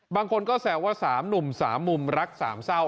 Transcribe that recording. บางคนก็แซวว่า๓หนุ่ม๓มุมรักสามเศร้า